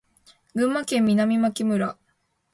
群馬県南牧村